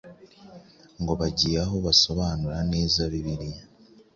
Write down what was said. ngo bagiye aho basobanura neza Bibiliya.